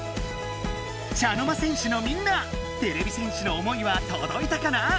茶の間戦士のみんなてれび戦士の思いはとどいたかな？